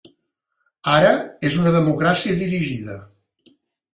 Ara és una democràcia dirigida.